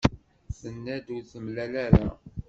Tenna-d ur t-temlal ara.